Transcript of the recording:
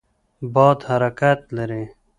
باد حرکت لري.